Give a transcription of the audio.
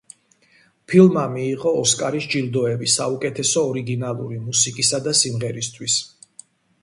ფილმმა მიიღო ოსკარის ჯილდოები საუკეთესო ორიგინალური მუსიკისა და სიმღერისთვის.